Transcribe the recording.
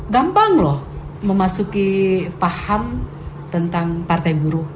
gampang loh memasuki paham tentang partai buruh